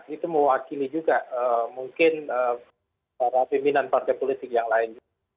itu mewakili juga mungkin para pimpinan partai politik yang lain